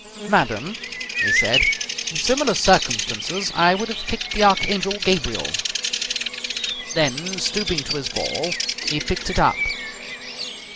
"Madam," he said, "in similar circumstances I would have kicked the Archangel Gabriel!" Then, stooping to his ball, he picked it up.